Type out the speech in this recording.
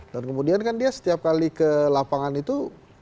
dan kemudian kan dia setiap kali ke lapangan itu